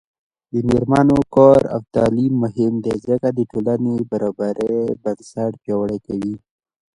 د میرمنو کار او تعلیم مهم دی ځکه چې ټولنې برابرۍ بنسټ پیاوړی کوي.